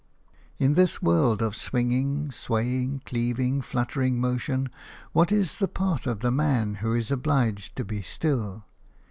In this world of swinging, swaying, cleaving, fluttering motion, what is the part of the man who is obliged to be still?